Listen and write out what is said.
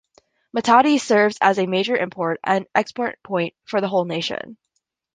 Matadi serves as a major import and export point for the whole nation.